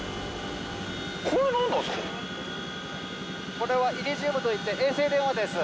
これはイリジウムといって衛星電話です。